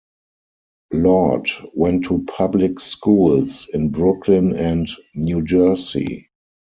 Lord went to public schools in Brooklyn and New Jersey.